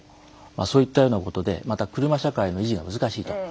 そういったようなことでまた車社会の維持が難しいと。